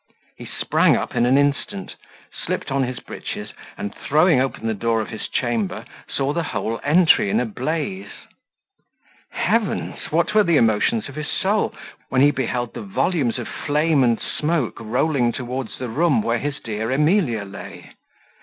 He sprang up in an instant, slipped on his breeches, and, throwing open the door of his chamber, saw the whole entry in a blaze. Heavens! what were the emotions of his soul, when he beheld the volumes of flame and smoke rolling towards the room where his dear Emilia lay!